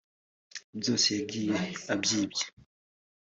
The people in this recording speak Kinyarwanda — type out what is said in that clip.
byose yagiye abyibye